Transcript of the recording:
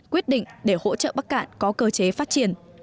quyết định để hỗ trợ bắc cạn có cơ chế phát triển